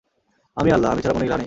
আমিই আল্লাহ, আমি ছাড়া কোন ইলাহ নেই।